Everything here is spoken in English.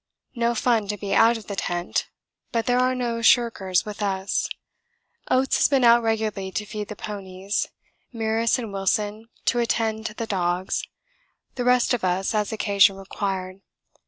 No fun to be out of the tent but there are no shirkers with us. Oates has been out regularly to feed the ponies; Meares and Wilson to attend to the dogs the rest of us as occasion required.